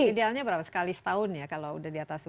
idealnya berapa sekali setahun ya kalau udah di atas umur